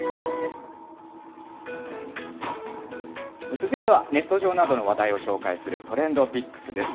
続いてはネット上などの話題を紹介するＴｒｅｎｄＰｉｃｋｓです。